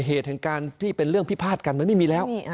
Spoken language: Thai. เหตุแห่งการที่เป็นเรื่องพิพาทกันมันไม่มีแล้ว